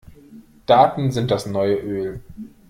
Daten sind das neue Öl.